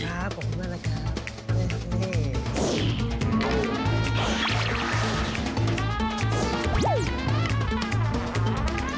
ครับผมนั่นแหละครับ